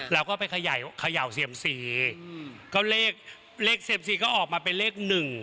แล้วก็ไปขยายขย่าวเสี่ยมสี่ก็เลข